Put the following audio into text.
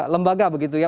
lembaga begitu ya